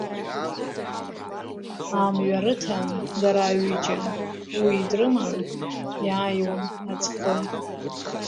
Амҩа рыҭан дара аҩыџьа, уи дрыман иааиуан аӡҟы.